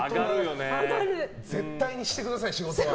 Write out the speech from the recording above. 絶対にしてください、仕事は。